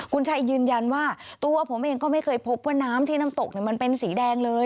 คุณชัยยืนยันว่าตัวผมเองก็ไม่เคยพบว่าน้ำที่น้ำตกมันเป็นสีแดงเลย